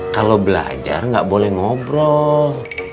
kalau belajar nggak boleh ngobrol